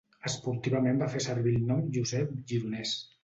Esportivament va fer servir el nom Josep Gironès.